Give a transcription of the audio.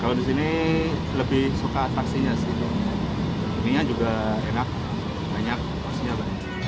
kalau di sini lebih suka atraksi nya sih mie nya juga enak banyak